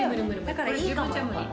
だからいいかも。